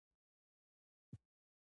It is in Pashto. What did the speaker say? موږ خپله مورنۍ ژبه په هېڅ قیمت نه هېروو.